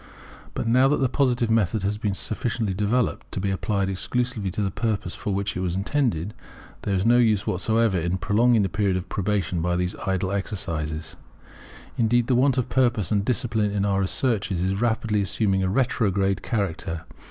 But now that the Positive method has been sufficiently developed to be applied exclusively to the purpose for which it was intended, there is no use whatever in prolonging the period of probation by these idle exercises. Indeed the want of purpose and discipline in our researches is rapidly assuming a retrograde character.